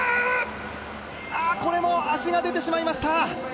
これも足が出てしまいました。